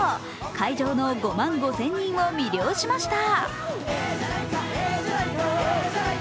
会場の５万５０００人を魅了しました。